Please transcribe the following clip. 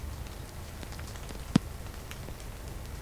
La casa ha tenido numerosas familias en la serie japonesa.